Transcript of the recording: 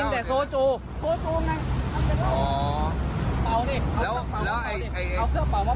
กินแต่โซโจโซโจไหม